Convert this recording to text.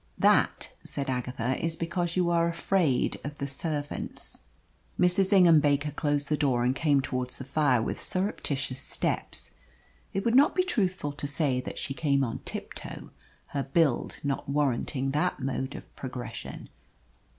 "That," said Agatha, "is because you are afraid of the servants." Mrs. Ingham Baker closed the door and came towards the fire with surreptitious steps. It would not be truthful to say that she came on tiptoe, her build not warranting that mode of progression.